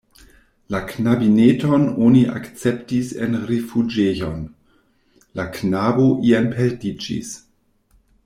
La knabineton oni akceptis en rifuĝejon, la knabo ien perdiĝis.